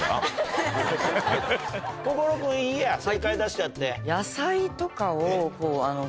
心君いいや正解出しちゃって。